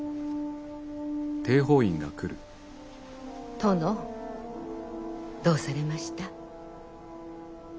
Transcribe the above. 殿どうされました？